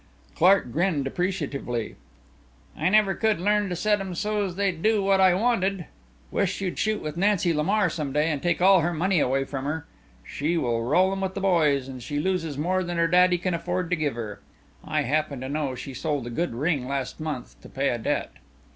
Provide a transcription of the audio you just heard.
Clark grinned appreciatively. "I never could learn to set 'em so's they'd do what I wanted. Wish you'd shoot with Nancy Lamar some day and take all her money away from her. She will roll 'em with the boys and she loses more than her daddy can afford to give her. I happen to know she sold a good ring last month to pay a debt."